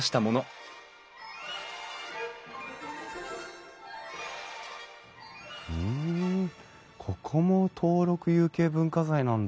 ここも登録有形文化財なんだ。